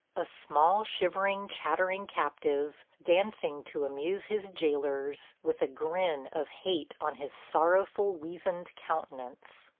A small shivering, chattering captive, dancing to amuse his jailers, with a grin of hate on his sorrowful weazened countenance.